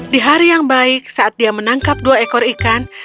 di hari yang baik saat dia menangkap dua ekor ikan